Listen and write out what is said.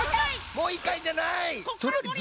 もういっかいじゃない！